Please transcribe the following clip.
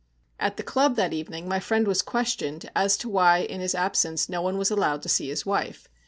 At the club that evening my friend was questioned as to why in his absence no one was allowed to see his wife.